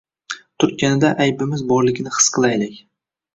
Turtganida aybimiz borligini his qilaylik.